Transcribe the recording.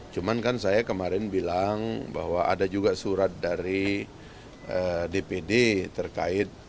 cuman kan saya kemarin bilang bahwa ada juga surat dari dpd terkait